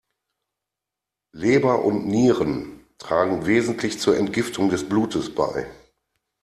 Leber und Nieren tragen wesentlich zur Entgiftung des Blutes bei.